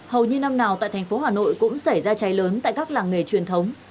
hầu như năm nào tại thành phố hà nội cũng xảy ra cháy lớn tại các làng nghề truyền thống